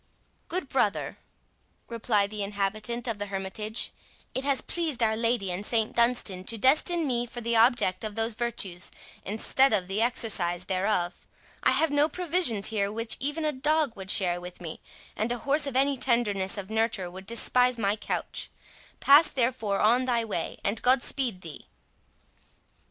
"Good brother," replied the inhabitant of the hermitage, "it has pleased Our Lady and St Dunstan to destine me for the object of those virtues, instead of the exercise thereof. I have no provisions here which even a dog would share with me, and a horse of any tenderness of nurture would despise my couch—pass therefore on thy way, and God speed thee."